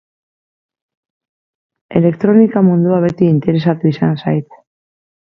Elektronika mundua beti interesatu izan zait.